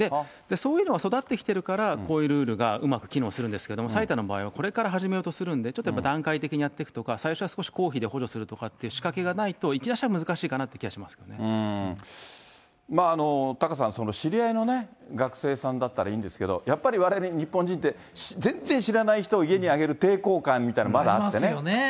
そういうのが育ってきてるから、こういうルールがうまく機能するんですけど、埼玉の場合はこれから始めようとするので、ちょっとやっぱり段階的にやっていくとか、最初は少し公費で補助するとかっていう仕掛けがないと、いきなりタカさん、知り合いのね、学生さんだったらいいんですけど、やっぱりわれわれ、日本人って、全然知らない人を家に上げる抵抗感みたいなのがまだあってね。ありますよね。